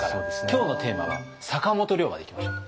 今日のテーマは坂本龍馬でいきましょう。